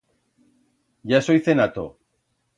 Ya soi cenato.